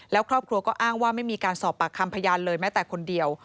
แล้วครอบครัวก็อ้างว่าไม่มีการสอบปากคำพยานเลยแม้แต่คนเดียว